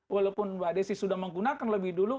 walaupun mbak desi sudah menggunakan lebih dulu